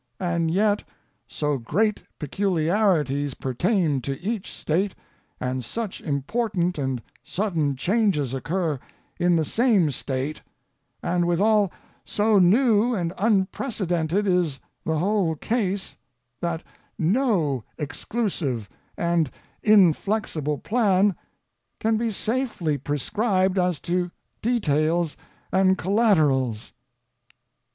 And yet so great peculiarities pertain to each state, and such important and sudden changes occur in the same state; and withal, so new and unprecedented is the whole case, that no exclusive, and inflexible plan can be safely prescribed as to details and colatterals.